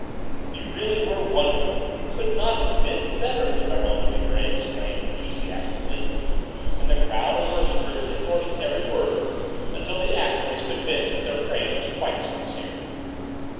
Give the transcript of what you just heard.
"You really were wonderful: could not have been better," the Baronne de Vibray exclaimed enthusiastically, and the crowd of worshippers endorsed every word, until the artist was convinced that their praise was quite sincere.